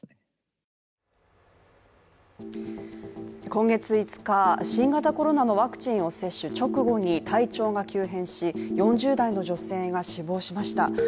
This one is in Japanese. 今月５日、新型コロナのワクチンを接種直後に体調が急変し、４０代の女性が死亡しました。